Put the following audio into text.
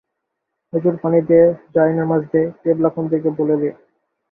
অজুর পানি দে, জয়নামাজ দে, কেবলা কোন দিকে বলে দে।